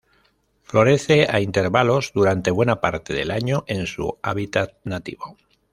Florece a intervalos durante buena parte del año en su hábitat nativo.